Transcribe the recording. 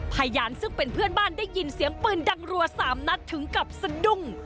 พยานซึ่งเป็นเพื่อนบ้านได้ยินเสียงปืนดังรัว๓นัดถึงกับสะดุ้ง